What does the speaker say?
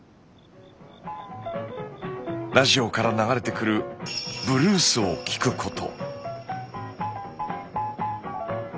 ラジオから流れてくるブルースを聴くこと。